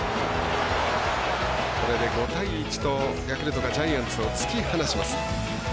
これで５対１とヤクルトがジャイアンツを突き放します。